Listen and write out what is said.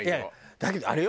だけどあれよ？